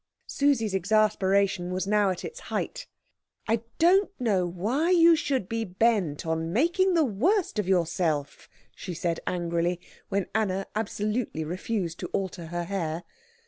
Susie's exasperation was now at its height. "I don't know why you should be bent on making the worst of yourself," she said angrily, when Anna absolutely refused to alter her hair.